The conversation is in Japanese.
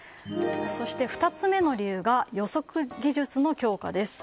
そして、２つ目の理由が予測技術の強化です。